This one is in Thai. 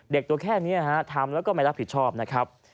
ตัวแค่นี้ทำแล้วก็ไม่รับผิดชอบนะครับ